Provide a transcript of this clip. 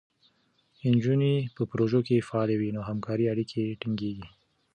نجونې په پروژو کې فعالې وي، نو همکارۍ اړیکې ټینګېږي.